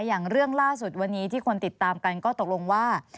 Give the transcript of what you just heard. อย่างเรื่องล่าสุดวันนี้ที่คนติดตามกันก็ตกลงว่า